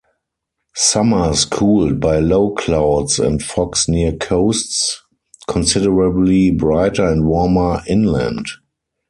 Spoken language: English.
Summers cooled by low clouds and fogs near coasts, considerably brighter and warmer inland.